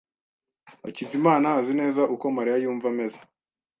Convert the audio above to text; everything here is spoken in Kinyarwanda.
Hakizimana azi neza uko Mariya yumva ameze.